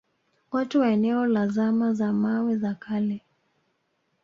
Watu wa eneo la zama za mawe za kale